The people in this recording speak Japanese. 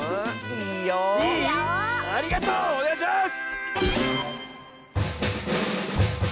いい⁉ありがとう！おねがいします！